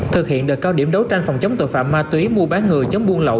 thực hiện đợt cao điểm đấu tranh phòng chống tội phạm ma túy mua bán người chống buôn lậu